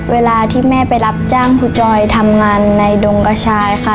เวลาที่แม่ไปรับจ้างครูจอยทำงานในดงกระชายค่ะ